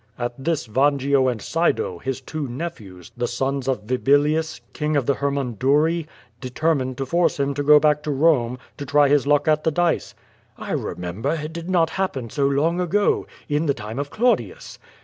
At this Vangio and Sido, his two nephews, the sons of Vibilius, king of the Hermunduri, determined to force him to go back to Uome — to try his luck at the dice." "I remember, it did not happen so long ago— in the time of Claudius."